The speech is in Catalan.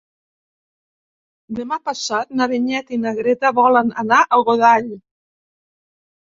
Demà passat na Vinyet i na Greta volen anar a Godall.